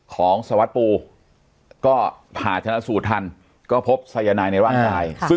ของสวัสปูก็หาชนะสูตรทันก็พบไซยานายในร่างกาย